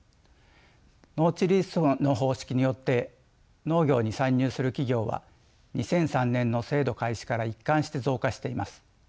農地リースの方式によって農業に参入する企業は２００３年の制度開始から一貫して増加しています。